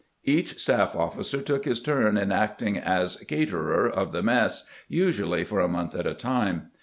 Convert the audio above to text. Each staff oflficer took his turn in acting as " caterer " of the mess, usually for a month at a time.